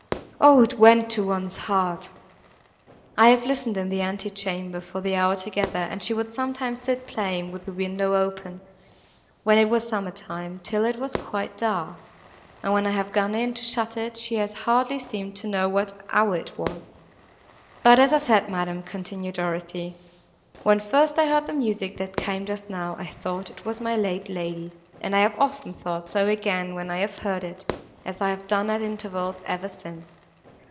O! it went to one's heart! I have listened in the ante chamber, for the hour together, and she would sometimes sit playing, with the window open, when it was summer time, till it was quite dark, and when I have gone in, to shut it, she has hardly seemed to know what hour it was. But, as I said, madam," continued Dorothée, "when first I heard the music, that came just now, I thought it was my late lady's, and I have often thought so again, when I have heard it, as I have done at intervals, ever since.